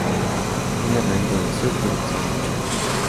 Tiene rango de subdirección general.